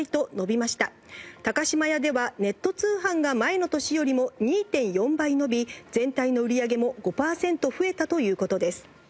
「島屋ではネット通販が前の年よりも２．４倍伸び全体の売り上げも５パーセント増えたという事です」